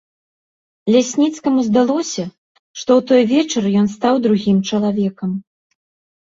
Лясніцкаму здалося, што ў той вечар ён стаў другім чалавекам.